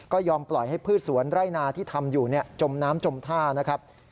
ก็ยอมปล่อยให้พืชสวนไร่นาที่ทำอยู่จมน้ำจมท่านะครับ